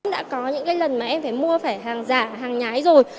đã có những cái lần mà em phải mua phải hàng giả hàng nhái rồi